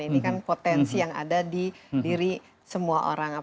ini kan potensi yang ada di diri semua orang